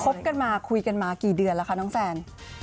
บกันมาคุยกันมากี่เดือนแล้วคะน้องแฟน